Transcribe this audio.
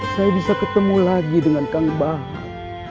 saya bisa ketemu lagi dengan kang bah